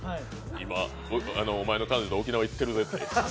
今、お前の彼女と沖縄行ってるぜと。